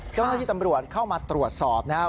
เจ้าหน้าที่ตำรวจเข้ามาตรวจสอบนะครับ